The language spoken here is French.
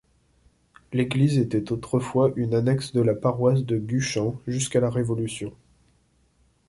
L'église était autrefois une annexe de la paroisse de Guchan jusqu'à la Révolution.